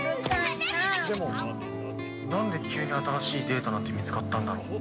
でもなんで急に新しいデータなんて見つかったんだろう？